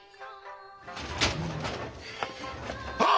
あ！